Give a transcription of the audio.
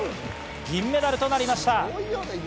銀メダルとなりました。